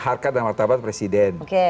harkat dan martabat presiden